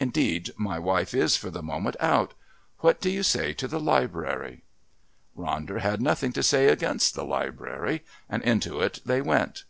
Indeed, my wife is, for the moment, out. What do you say to the library?" Ronder had nothing to say against the library, and into it they went.